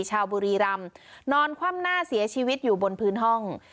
ชาวบุรีรำนอนคว่ำหน้าเสียชีวิตอยู่บนพื้นห้อง